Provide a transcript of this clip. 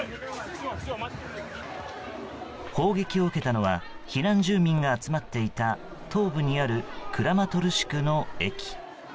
砲撃を受けたのは避難住民が集まっていた東部にあるクラマトルシクの駅。